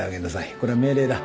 これは命令だ。